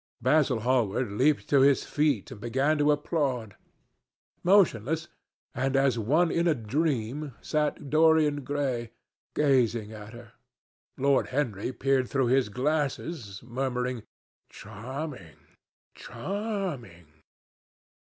Basil Hallward leaped to his feet and began to applaud. Motionless, and as one in a dream, sat Dorian Gray, gazing at her. Lord Henry peered through his glasses, murmuring, "Charming! charming!"